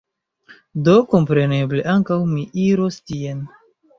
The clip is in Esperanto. Do, kompreneble, ankaŭ mi iros tien